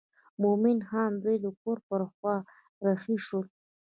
مومن خان دوی د کور پر خوا رهي شول.